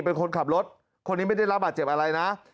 เป็นคนขับรถคนนี้ไม่ได้รับบาดเจ็บอะไรนะ